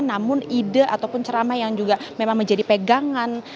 namun ide ataupun ceramah yang juga memang menjadi pegangan